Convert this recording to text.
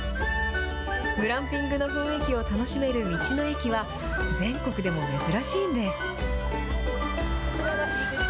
グランピングの雰囲気を楽しめる道の駅は、全国でも珍しいんです。